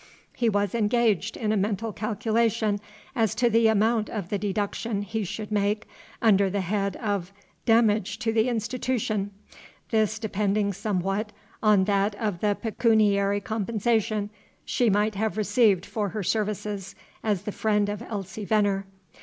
He was engaged in a mental calculation as to the amount of the deduction he should make under the head of "demage to the institootion," this depending somewhat on that of the "pecooniary compensation" she might have received for her services as the friend of Elsie Venner.